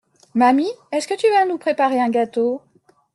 Mamie, est-que tu vas nous préparer un gâteau?